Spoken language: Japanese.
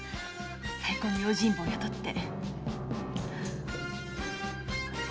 最高の用心棒を雇って。